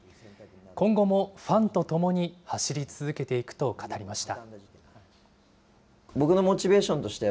今後もファンとともに走り続けていくと語りました。